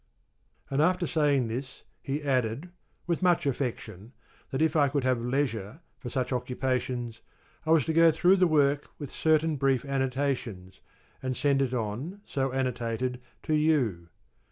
And after saying this he added, with much affection, that if I could have leisure for such occupations I was to go through the work with certain brief annotations, and send it on, so annotated, to you.